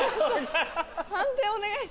判定お願いします。